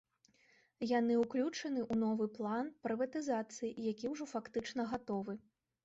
Яны ўключаны у новы план прыватызацыі, які ўжо фактычна гатовы.